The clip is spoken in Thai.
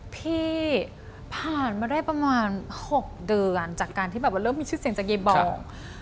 ที่ผ่านมาได้ประมาณ๖เดือนจากการที่แบบว่าเริ่มมีชื่อเสียงจากเยบอง